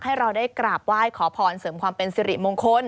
ให้เราได้กราบไหว้ขอพรเสริมความเป็นสิริมงคล